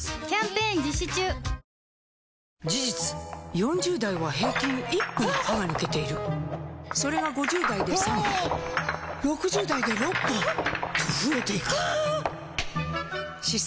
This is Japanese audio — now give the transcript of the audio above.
４０代は平均１本歯が抜けているそれが５０代で３本６０代で６本と増えていく歯槽